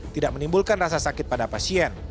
tidak menimbulkan rasa sakit pada pasien